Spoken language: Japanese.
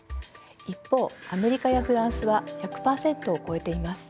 一方アメリカやフランスは１００％を超えています。